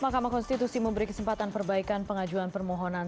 mahkamah konstitusi memberi kesempatan perbaikan pengajuan permohonan